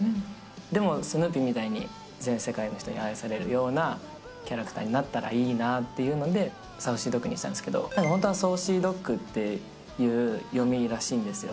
でもスヌーピーみたいに全世界の人に愛されるようなキャラクターになったらいいなっていうので、サウシードッグにしたんですけど、本当はソーシードッグっていう読みらしいんですよ。